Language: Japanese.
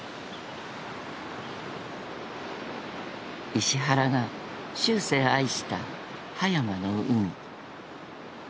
［石原が終生愛した葉山の海］